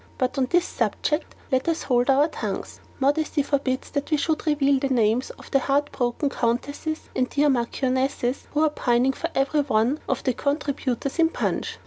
But on this subject let us hold our tongues. Modesty forbids that we should reveal the names of the heart broken countesses and dear marchionesses who are pining for every one of the contributors in PUNCH.